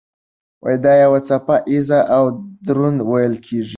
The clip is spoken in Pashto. دا یو څپه ایز او دروند ویل کېږي.